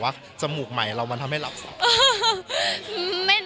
ว่าจมูกใหม่เพราะทำให้นานใหม่